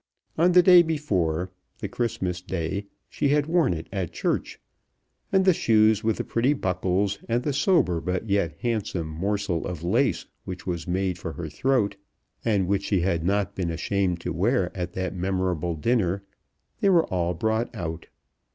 On the day before, the Christmas Day, she had worn it at church. And the shoes with the pretty buckles, and the sober but yet handsome morsel of lace which was made for her throat, and which she had not been ashamed to wear at that memorable dinner, they were all brought out.